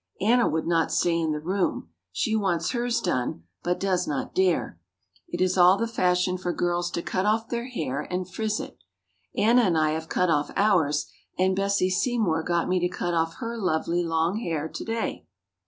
Anna would not stay in the room. She wants hers done but does not dare. It is all the fashion for girls to cut off their hair and friz it. Anna and I have cut off ours and Bessie Seymour got me to cut off her lovely long hair to day.